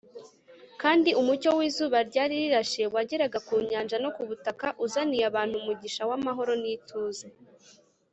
kandi umucyo w’izuba ryari rirashe wageraga ku nyanja no ku butaka uzaniye abantu umugisha w’amahoro n’ituze